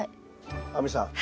亜美さん